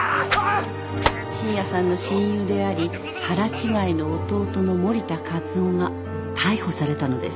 ［信也さんの親友であり腹違いの弟の盛田和夫が逮捕されたのです］